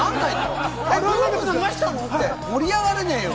防具流したの？って盛り上がれねえよ！